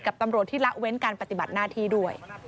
ตำรวจที่ละเว้นการปฏิบัติหน้าที่ด้วย